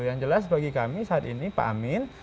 yang jelas bagi kami saat ini pak amin